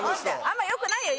あんま良くないよ